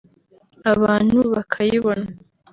abantu bakayibona